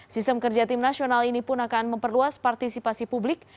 sistem kerja tim nasional ini pun akan memperluas partisipasi publik